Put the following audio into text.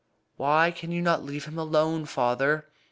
"Why can you not leave him alone, father?"